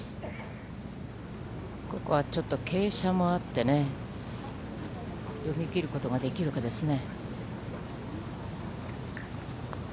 ここはちょっと、傾斜もあってね、読み切ることができるかですね。